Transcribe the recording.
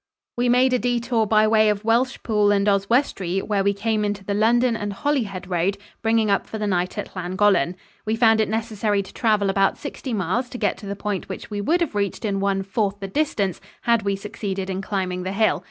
We made a detour by way of Welshpool and Oswestry, where we came into the London and Holyhead road, bringing up for the night at Llangollen. We found it necessary to travel about sixty miles to get to the point which we would have reached in one fourth the distance had we succeeded in climbing the hill.